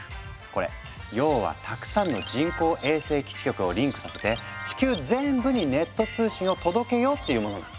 これ要はたくさんの人工衛星基地局をリンクさせて地球全部にネット通信を届けようっていうものなの。